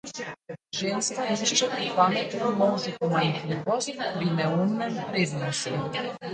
Ženska išče pri pametnem možu pomanjkljivost, pri neumnem prednosti.